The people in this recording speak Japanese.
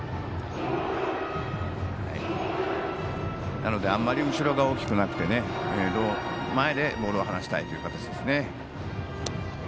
なのであまり後ろが大きくなくて前でボールを離したいという形ですね。